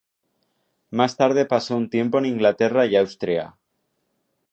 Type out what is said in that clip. Más tarde pasó un tiempo en Inglaterra y Austria.